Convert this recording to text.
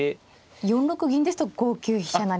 ４六銀ですと５九飛車成と。